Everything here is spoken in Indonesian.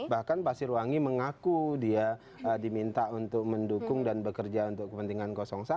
bahkan pasirwangi mengaku dia diminta untuk mendukung dan bekerja untuk kepentingan satu